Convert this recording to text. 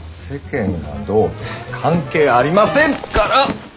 世間がどうとか関係ありませんから！